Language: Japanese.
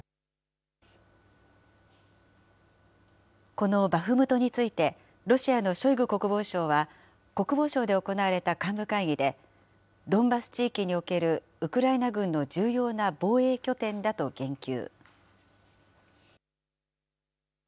このバフムトについて、ロシアのショイグ国防相は、国防省で行われた幹部会議で、ドンバス地域におけるウクライナ軍の重要な防衛拠点だと言及。